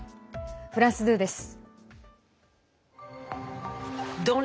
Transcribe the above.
フランス２です。